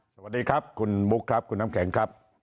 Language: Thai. สวัสดีครับคุณบุ๊คครับคุณน้ำแข็งครับ